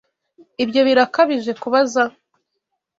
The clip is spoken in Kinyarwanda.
Ibyo birakabije kubaza?